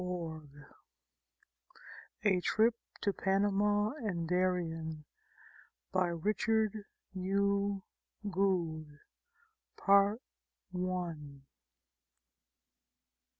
301 A TRIP TO PANAMA AND DARIEN. By Richard U. Goode.